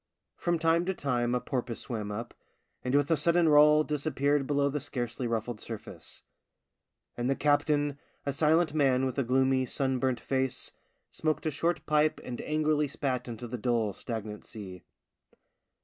From time to time a porpoise swam up, and with a sudden roll disappeared below the scarcely ruffled surface. And the captain, a silent man with a gloomy, sunburnt face, smoked a short pipe and angrily spat into the dull, stagnant sea.